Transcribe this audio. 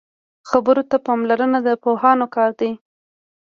خبرو ته پاملرنه د پوهانو کار دی